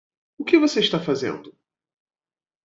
O que você está fazendo?